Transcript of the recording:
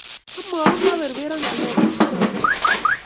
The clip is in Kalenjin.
Amwaun meperperana ng'alekuk che anyiny